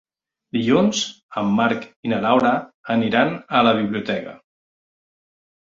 Dilluns en Marc i na Laura aniran a la biblioteca.